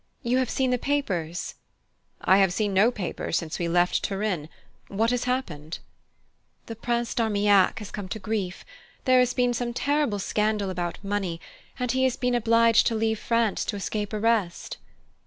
You have seen in the papers ?" "I have seen no papers since we left Turin. What has happened?" "The Prince d'Armillac has come to grief. There has been some terrible scandal about money and he has been obliged to leave France to escape arrest."